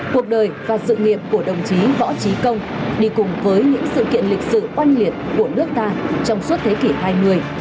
cuộc đời và sự nghiệp của đồng chí võ trí công đi cùng với những sự kiện lịch sử oanh liệt của nước ta trong suốt thế kỷ hai mươi